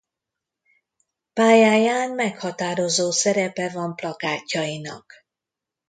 Pályáján meghatározó szerepe van plakátjainak.